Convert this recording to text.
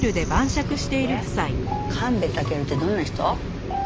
で神戸尊ってどんな人？